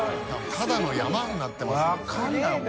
ただの山になってますけどね。